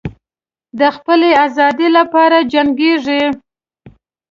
د خپلې آزادۍ لپاره جنګیږي.